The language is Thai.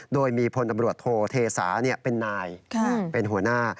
โดยมีพลตำรวจโทเทศาเป็นนายเป็นหัวหน้า